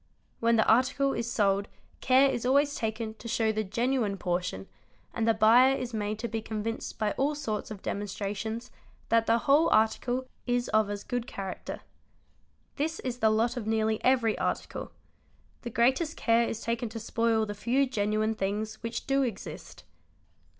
when the article is sold care is always taken to show the genuine ;: portion and the buyer is made to be convinced by all sorts of demonstra _ tions that the whole article is of as good character. This is the lot of nearly every article; the greatest care is taken to spoil the few genuine things which do exist.